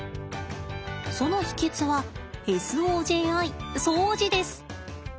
その秘けつはＳＯＪＩ掃除です！